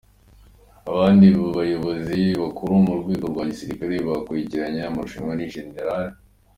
Abandi bayobozi bakuru mu rwego rwa gisirikare bakurikiranye aya marushanwa ni Gen.